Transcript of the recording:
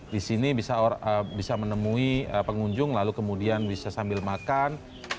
di sini bisa menemui pengunjung lalu kemudian bisa sambil makan